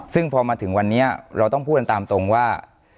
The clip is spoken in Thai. ซึ่งพอมาถึงวันนี้เราต้องพูดกันตามตรงว่า